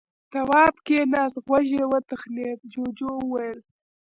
تواب کېناست. غوږ يې وتخڼېد. جُوجُو وويل: